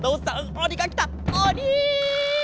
おに！